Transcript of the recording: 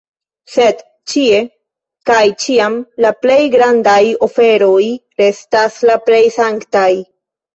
Sed ĉie kaj ĉiam la plej grandaj oferoj restas la plej sanktaj.